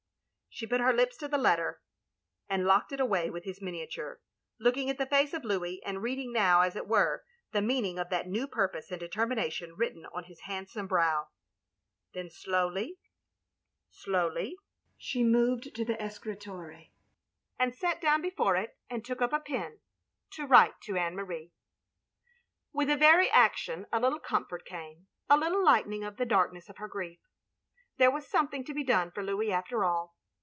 '* She put her lips to the letter, and locked it away with his miniature; looking at the face of Louis, and reading now, as it were, the meaning of that new purpose and determination written on his handsome brow. Then slowly, slowly she moved to the escritoire 330 THE LONELY LADY and sat down before it, and took up a pen ^ to write to Anne Marie. With the very action a little comfort came; a little lightening of the darkness of her grief. There was something to be done for Louis after all.